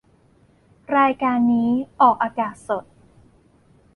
รายการนี้ออกอากาศสด